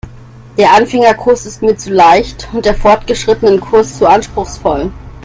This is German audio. Der Anfängerkurs ist mir zu leicht und der Fortgeschrittenenkurs zu anspruchsvoll.